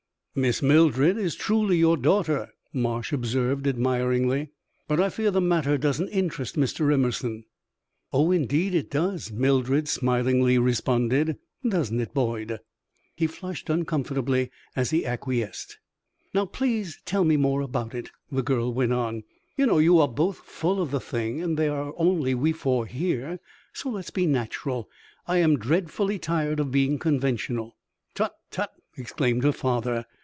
"Miss Mildred is truly your daughter," Marsh observed, admiringly. "But I fear the matter doesn't interest Mr. Emerson?" "Oh, indeed it does," Mildred smilingly responded. "Doesn't it, Boyd?" He flushed uncomfortably as he acquiesced. "Now, please tell me more about it," the girl went on. "You know you are both full of the thing, and there are only we four here, so let's be natural; I am dreadfully tired of being conventional." "Tut, tut!" exclaimed her father.